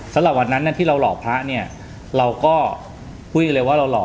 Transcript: สำหรับวันนั้นที่เราหล่อพระเนี่ยเราก็คุยกันเลยว่าเราหล่อ